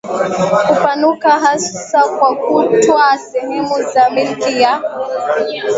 kupanuka hasa kwa kutwaa sehemu za milki ya